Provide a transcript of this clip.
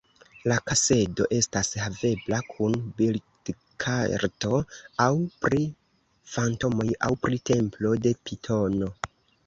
La kasedo estas havebla kun bildkarto aŭ pri fantomoj aŭ pri templo de pitono.